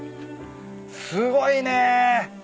すごいね。